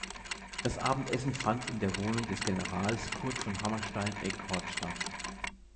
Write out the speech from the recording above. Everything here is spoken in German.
Das Abendessen fand in der Wohnung des Generals Kurt von Hammerstein-Equord statt.